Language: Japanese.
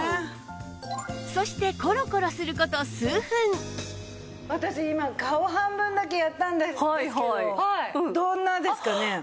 そして私今顔半分だけやったんですけどどんなですかね？